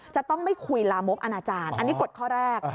จะต้องไม่คุยลามกอนาจารย์อันนี้กฎข้อแรก